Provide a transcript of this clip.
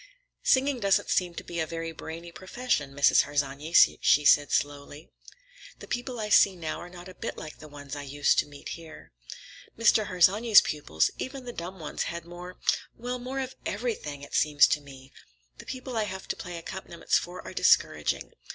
"Singing doesn't seem to be a very brainy profession, Mrs. Harsanyi," she said slowly. "The people I see now are not a bit like the ones I used to meet here. Mr. Harsanyi's pupils, even the dumb ones, had more—well, more of everything, it seems to me. The people I have to play accompaniments for are discouraging.